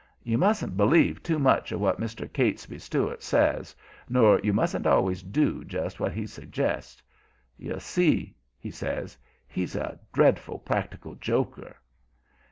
You mustn't b'lieve too much of what Mr. Catesby Stuart says, nor you mustn't always do just what he suggests. You see," he says, "he's a dreadful practical joker."